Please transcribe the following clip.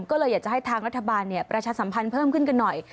ก็เลยอยากจะให้ทางรัฐบาลประชาสัมพันธ์เพิ่มขึ้นกันหน่อย